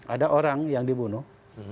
ada orang yang dibunuh